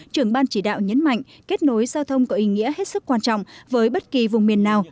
trưởng ban chỉ đạo nhấn mạnh kết nối giao thông có ý nghĩa hết sức quan trọng với bất kỳ vùng miền nào